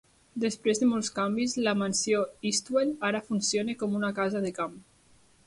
Després de molts canvis, la Mansió Eastwell ara funciona com una casa de camp.